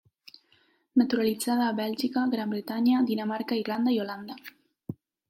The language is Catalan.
Naturalitzada a Bèlgica, Gran Bretanya, Dinamarca, Irlanda i Holanda.